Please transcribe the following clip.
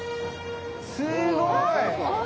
すごい！